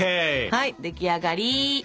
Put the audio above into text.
はい出来上がり。